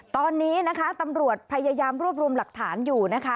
ตอนนี้นะคะตำรวจพยายามรวบรวมหลักฐานอยู่นะคะ